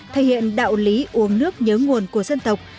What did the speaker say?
thể hiện đạo lý uống nước nhớ nguồn của dân tộc